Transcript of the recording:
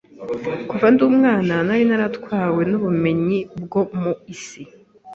Kuva ndi umwana , nari naratwawe n’ubumenyi bwo mu isi,